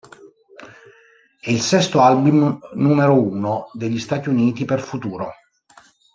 È il sesto album numero uno degli Stati Uniti per Futuro.